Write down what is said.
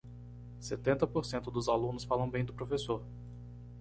Setenta por cento dos alunos falam bem do professor.